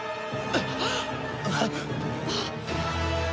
あっ！